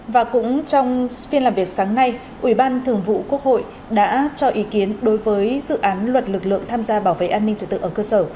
và cũng trong phiên làm việc sáng nay ủy ban thường vụ quốc hội đã cho ý kiến đối với dự án luật lực lượng tham gia bảo vệ an ninh trật tự ở cơ sở